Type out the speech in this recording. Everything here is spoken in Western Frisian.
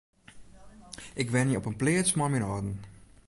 Ik wenje op in pleats mei myn âlden.